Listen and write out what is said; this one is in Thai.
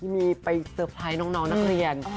มีไปเซอร์ไพรส์น้องนักเรียน